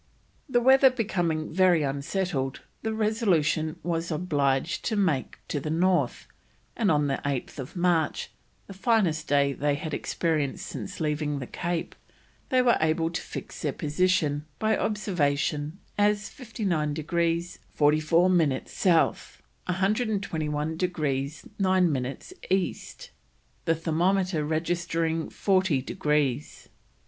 The weather becoming very unsettled the Resolution was obliged to make to the north, and on 8th March, the finest day they had experienced since leaving the Cape, they were able to fix their position by observation as 59 degrees 44 minutes South, 121 degrees 9 minutes East, the thermometer registering 40 degrees.